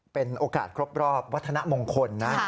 เป็นโอกาสครบรอบวัฒนมงคลนะ